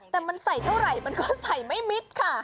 แต่มันใส่เท่าไหร่มันก็ใส่ไม่มิดค่ะ